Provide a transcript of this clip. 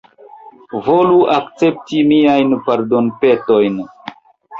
Volu akcepti miajn pardonpetojn.